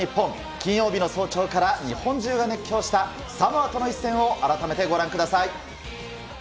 金曜日の早朝から日本中が熱狂したサモアとの一戦を改めてご覧ください。